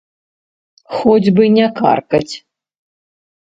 Хоць бы не каркаць.